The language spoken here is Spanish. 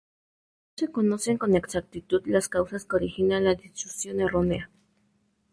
No se conocen con exactitud las causas que originan la disyunción errónea.